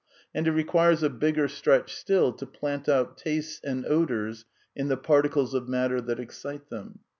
And it requires a bigger! stretch still to plant out tastes and odours in the particles I of matter that excite them.